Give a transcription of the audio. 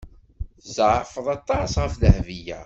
Tzeɛfeḍ aṭas ɣef Dahbiya.